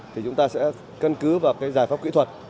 thì chúng ta sẽ căn cứ vào cái giải pháp kỹ thuật